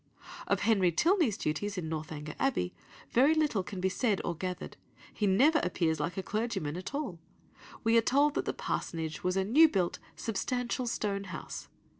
Of Henry Tilney's duties in Northanger Abbey, very little can be said or gathered, he never appears like a clergyman at all. We are told that the parsonage was a "new built, substantial stone house."